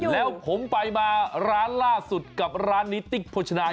แล้วผมไปมาร้านล่าสุดกับร้านนี้ติ๊กโภชนา